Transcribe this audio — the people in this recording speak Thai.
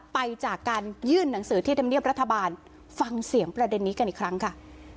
ไปจากการยื่นหนังสือที่ธรรมเนียบรัฐบาลฟังเสียงประเด็นนี้กันอีกครั้งค่ะ